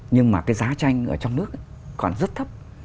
nhưng mà cái giá tranh ở trong nước còn rất thấp